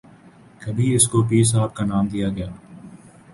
کبھی اسکو پیر صاحب کا نام دیا گیا